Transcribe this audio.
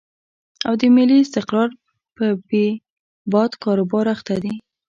او د ملي استقرار په بې باد کاروبار اخته دي.